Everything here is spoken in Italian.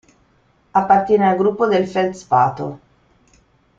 Appartiene al gruppo del feldspato.